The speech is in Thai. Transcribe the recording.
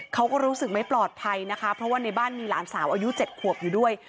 เขาก็รู้สึกไม่ปลอดภัยนะคะเพราะว่าในบ้านมีหลานสาวอายุ๗ขวบอยู่ด้วย